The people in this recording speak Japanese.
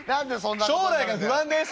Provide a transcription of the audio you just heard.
「将来が不安です」。